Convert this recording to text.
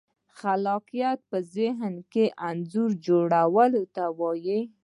خلاقیت په ذهن کې انځور جوړولو ته وایي.